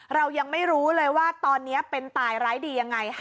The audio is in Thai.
เรายังไม่รู้เลยว่าตอนนี้เป็นตายร้ายดียังไง